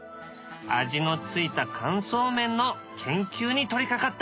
味のついた乾燥麺の研究に取りかかった。